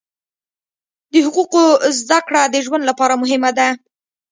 د حقوقو زده کړه د ژوند لپاره مهمه ده.